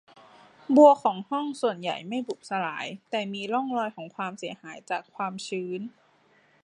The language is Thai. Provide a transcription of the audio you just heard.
บัวของห้องส่วนใหญ่ไม่บุบสลาย แต่มีร่องรอยของความเสียหายจากความชื้น